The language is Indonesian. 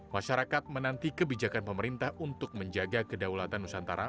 masyarakat menanti kebijakan pemerintah untuk menjaga kedaulatan nusantara